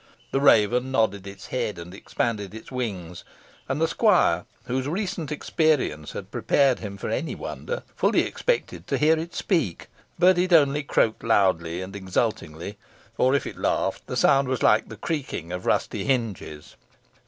The raven nodded its head and expanded its wings, and the squire, whose recent experience had prepared him for any wonder, fully expected to hear it speak, but it only croaked loudly and exultingly, or if it laughed, the sound was like the creaking of rusty hinges.